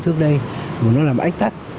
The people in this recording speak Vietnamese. trước đây của nó làm ách tắt